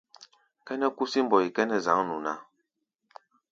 Kʼɛ́nɛ́ kúsí mbɔi kʼɛ́nɛ́ zǎŋnu ná.